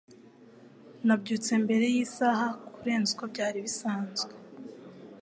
Nabyutse mbere y'isaha kurenza uko byari bisanzwe.